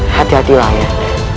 hati hati lah ayah